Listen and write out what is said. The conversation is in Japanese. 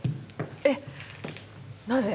えっなぜ？